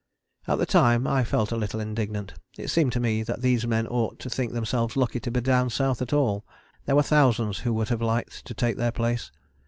At the time I felt a little indignant. It seemed to me that these men ought to think themselves lucky to be down South at all: there were thousands who would have liked to take their place.